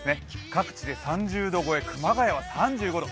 各地で３０度超え、熊谷は３５度。